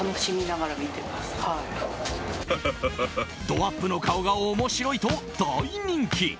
どアップの顔が面白いと大人気。